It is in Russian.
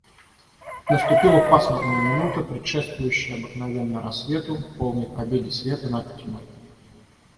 Наступила пасмурная минута, предшествующая обыкновенно рассвету, полной победе света над тьмой.